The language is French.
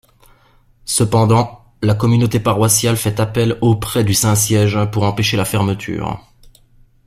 Cependant la communauté paroissiale fait appel auprès du Saint-Siège pour empêcher la fermeture.